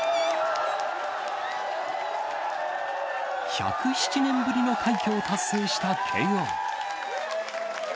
１０７年ぶりの快挙を達成した慶応。